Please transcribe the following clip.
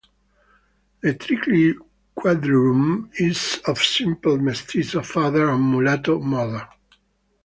The tricky Quadroon is of Simple Mestizo father and Mulatto mother.